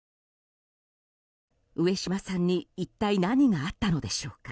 上島さんに一体何があったのでしょうか。